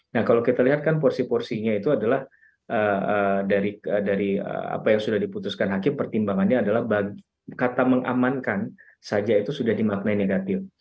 nah kalau kita lihat kan porsi porsinya itu adalah dari apa yang sudah diputuskan hakim pertimbangannya adalah kata mengamankan saja itu sudah dimaknai negatif